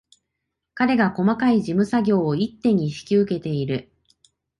彼が細かい事務作業を一手に引き受けている